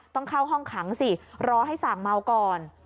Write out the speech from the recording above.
ต้องเข้าห้องขังสิรอให้สั่งเมาก่อน